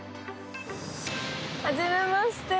はじめまして。